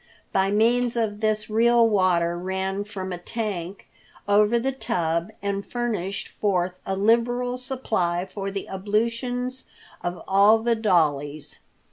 By means of this real water ran from a tank over the tub and furnished forth a liberal supply for the ablutions of all the dollies.